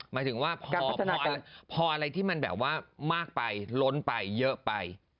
หมายถึงว่าพออะไรที่มันแบบว่ามากไปล้นไปเยอะไป